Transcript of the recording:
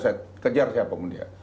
saya kejar siapa pun dia